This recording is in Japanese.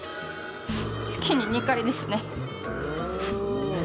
月に２回ですね。